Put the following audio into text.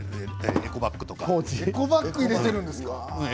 エコバッグ持っているんですか。